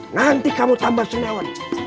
nanti kamu tambah senyawa